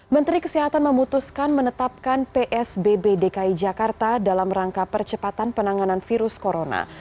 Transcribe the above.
menteri kesehatan memutuskan menetapkan psbb dki jakarta dalam rangka percepatan penanganan virus corona